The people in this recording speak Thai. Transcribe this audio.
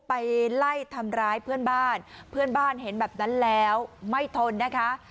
ไปไล่ทำร้ายเพื่อนบ้านเพื่อนบ้านเห็นแบบนั้นแล้วไม่ทนนะคะ